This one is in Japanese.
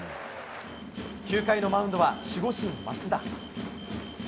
９回のマウンドは守護神、益田。